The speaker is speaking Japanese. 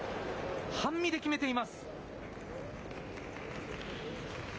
半身で決めています。